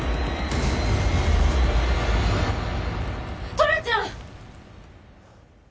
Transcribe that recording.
トラちゃん！